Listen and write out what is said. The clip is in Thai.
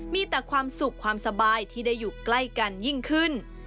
มีแต่ความสุขความสบายที่ได้อยู่ใกล้กันยิ่งขึ้น